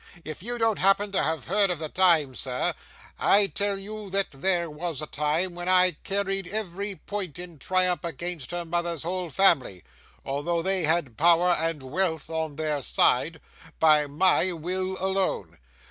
'If you don't happen to have heard of the time, sir, I tell you that there was a time, when I carried every point in triumph against her mother's whole family, although they had power and wealth on their side, by my will alone.